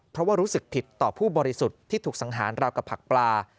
เพราะว่ารู้สึกผิดต่อผู้บริสุทธิ์ที่ถูกสังหารราวกับผักปลา